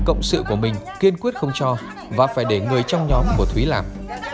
cộng sự của mình kiên quyết không cho và phải để người trong nhóm của thúy làm